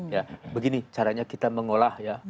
ya begini caranya kita mengolah ya